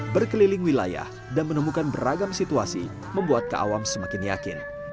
berkeliling wilayah dan menemukan beragam situasi membuat kaawam semakin yakin